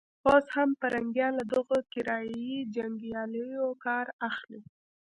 اوس هم پرنګيان له دغو کرایه يي جنګیالیو کار اخلي.